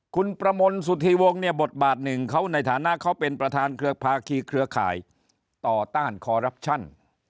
คุณประมลสุธีวงศ์เนี่ยบทบาทหนึ่งเขาในฐานะเขาเป็นประธานเครือภาคีเครือข่ายต่อต้านคอรับชัน